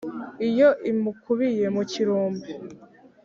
Iyo imukubiye mu kirumbi,